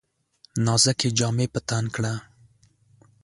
نازکي جامې په تن کړه !